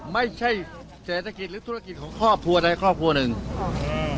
ไม่ใช่เศรษฐกิจหรือธุรกิจของครอบครัวใดครอบครัวหนึ่งโอเค